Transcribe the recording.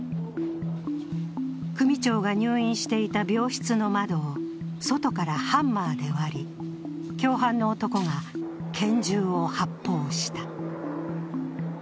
組長が入院していた病室の窓を外からハンマーで割り共犯の男が拳銃を発砲した。